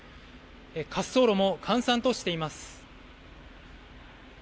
滑走路も閑散としています。